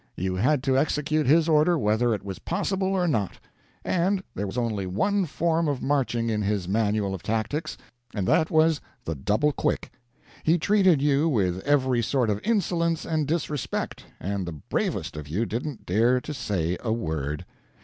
You had to execute his order whether it was possible or not. And there was only one form of marching in his manual of tactics, and that was the double quick. He treated you with every sort of insolence and disrespect, and the bravest of you didn't dare to say a word.